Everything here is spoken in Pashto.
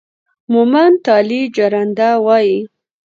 مومند تالي جرنده وايي